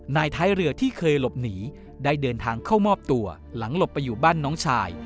ท้ายเรือที่เคยหลบหนีได้เดินทางเข้ามอบตัวหลังหลบไปอยู่บ้านน้องชาย